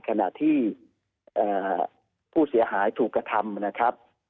ขณะที่ผู้เสียหายถูกกระทำนะครับ